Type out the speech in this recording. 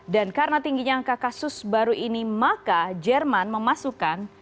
dan karena tingginya angka kasus baru ini maka jerman memasuki